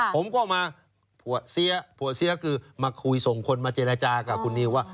ผมก็เอามาผัวเซี๊ยผัวเซี๊ยคือมาคุยส่งคนมาเจรจากับคุณนิวว่า